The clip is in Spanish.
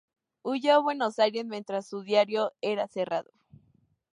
Huyó a Buenos Aires, mientras su diario era cerrado.